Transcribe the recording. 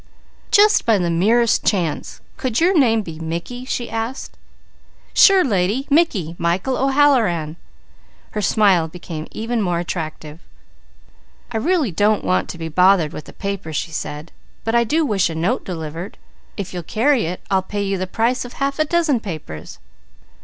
"Just by the merest chance, could your name be Mickey?" she asked. "Sure, lady! Mickey! Michael O'Halloran!" Her smile became even more attractive. "I really don't want to be bothered with a paper," she said; "but I do wish a note delivered. If you'll carry it, I'll pay you the price of half a dozen papers."